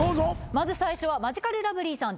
まず最初はマヂカルラブリーさん